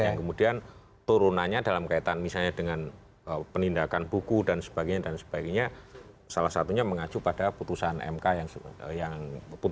yang kemudian turunannya dalam kaitan misalnya dengan penindakan buku dan sebagainya salah satunya mengacu pada putusan mk yang dua ribu sepuluh